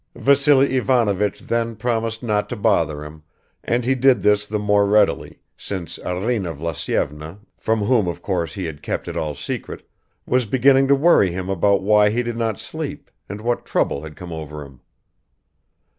Vassily Ivanovich then promised not to bother him, and he did this the more readily since Arina Vlasyevna, from whom, of course, he had kept it all secret, was beginning to worry him about why he did not sleep and what trouble had come over him.